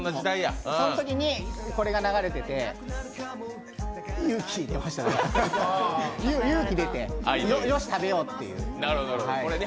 そのときにこれが流れててよく聴いてました、勇気が出てよし、食べようっていう。